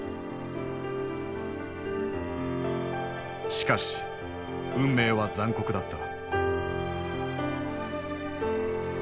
しかし運命は残酷だった。